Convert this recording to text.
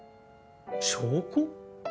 証拠？